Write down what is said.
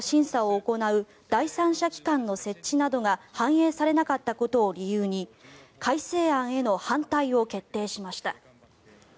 一方、立憲民主党は難民認定の審査を行う第三者機関の設置が反映されなかったことを理由に改正案への反対を決定しました。